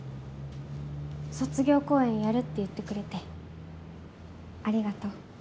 卒業公演やるって言ってくれてありがとう。